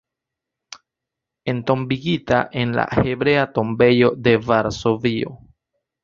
Entombigita en la Hebrea tombejo de Varsovio.